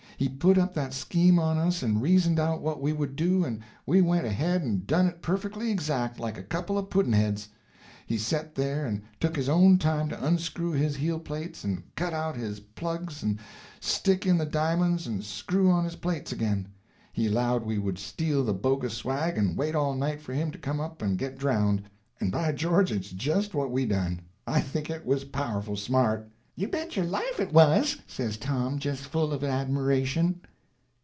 He put up that scheme on us and reasoned out what we would do, and we went ahead and done it perfectly exact, like a couple of pudd'nheads. He set there and took his own time to unscrew his heelplates and cut out his plugs and stick in the di'monds and screw on his plates again. He allowed we would steal the bogus swag and wait all night for him to come up and get drownded, and by George it's just what we done! I think it was powerful smart." "You bet your life it was!" says Tom, just full of admiration.